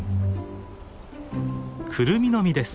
クルミの実です。